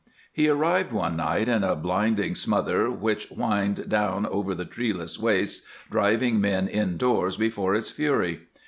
He arrived one night in a blinding smother which whined down over the treeless wastes, driving men indoors before its fury.